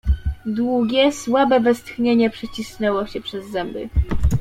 "Długie, słabe westchnienie przecisnęło się przez zęby."